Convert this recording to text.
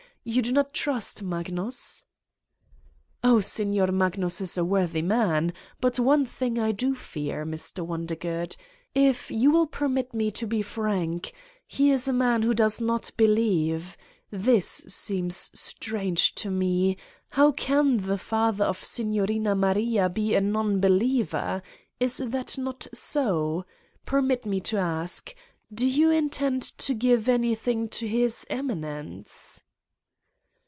You do not trust Magnus!" ' l Oh, Signor Magnus is a worthy man. But one thing I do fear, Mr. Wondergood, if you will per mit me to be frank : he is a man who does not be lieve. This seems strange to me: how can the father of Signorina Maria be a non believer? Is that not so ? Permit me to ask : do you intend to give anything to his Eminence!"